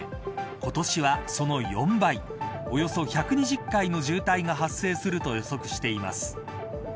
今年は、その４倍およそ１２０回の渋滞が発生すると予測しています。